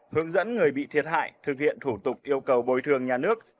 hướng dẫn người bị thiệt hại thực hiện thủ tục yêu cầu bồi thường nhà nước